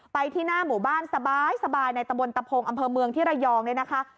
ไปที่หน้าหมู่บ้านสบายในตะบนตะพงอำเภอเมืองที่ระยองเนี่ยนะคะ